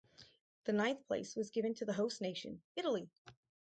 The ninth place was given to the host nation, Italy.